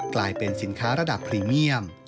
กลายเป็นสินค้าระดับพรีเมียม